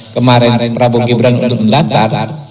kemarin prabang ibram untuk mendaftar